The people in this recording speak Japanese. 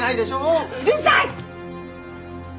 うるさい！